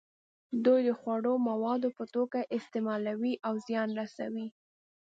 دوی د خوړو موادو په توګه یې استعمالوي او زیان رسوي.